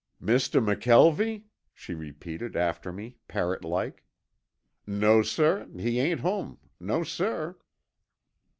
"Mistuh McKelvie?" she repeated after me, parrot like. "No, suh, he ain't home, no, suh."